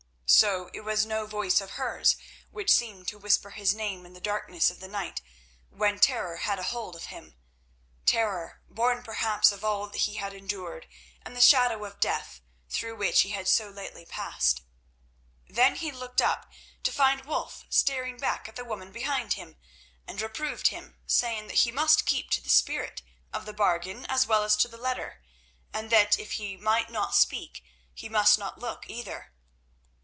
So it was no voice of hers which seemed to whisper his name in the darkness of the night when terror had ahold of him—terror, born perhaps of all that he had endured and the shadow of death through which he had so lately passed. Then he looked up, to find Wulf staring back at the woman behind him, and reproved him, saying that he must keep to the spirit of the bargain as well as to the letter, and that if he might not speak he must not look either.